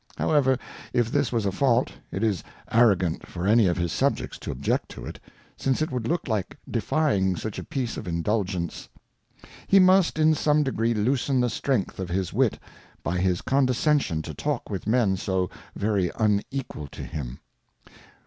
However, if this was a Fault, it is arrogant for any of his Subjects to object to it, since it would look like defjdng such a piece of Indulgence. He must in some degree loosen the Strength of his Wit, by his Condescension to talk with Men so very unequal to him.